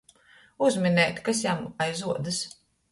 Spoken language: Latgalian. Uzminēt, kas jam aiz uodys.